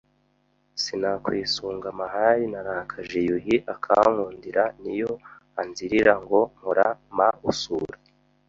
Sinakwisunga amahari Narakeje Yuhi akankundira Ni yo anzirira Ngo mpora ma urusa